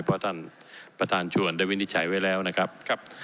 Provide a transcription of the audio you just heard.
เพราะท่านประธานชวนได้วินิจฉัยไว้แล้วนะครับ